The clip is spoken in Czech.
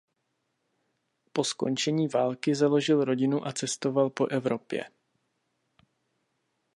Po skončení války založil rodinu a cestoval po Evropě.